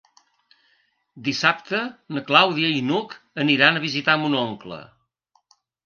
Dissabte na Clàudia i n'Hug aniran a visitar mon oncle.